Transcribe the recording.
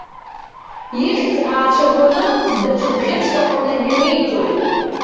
Ихьӡ ааҵәаӷәаны, даҽа бӷьыцк аҟны ианиҵоит.